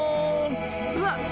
うわっ！